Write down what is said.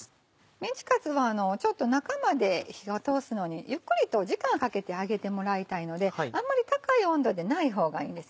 メンチカツはちょっと中まで火を通すのにゆっくりと時間をかけて揚げてもらいたいのであんまり高い温度でない方がいいんですね。